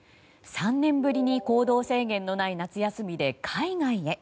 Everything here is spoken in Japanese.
３年ぶりに行動制限のない夏休みで海外へ。